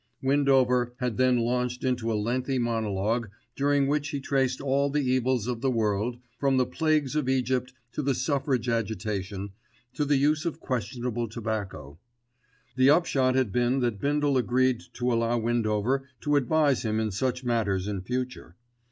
Windover had then launched into a lengthy monologue, during which he traced all the evils of the world, from the Plagues of Egypt to the Suffrage Agitation, to the use of questionable tobacco. The upshot had been that Bindle agreed to allow Windover to advise him in such matters in future.